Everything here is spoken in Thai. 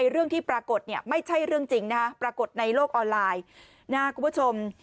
เรื่องที่ประกดไม่ใช่รึงจริงประกดในโลกออนไลน์นะคุณผู้ชม